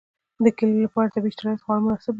د کلیو لپاره طبیعي شرایط خورا مناسب دي.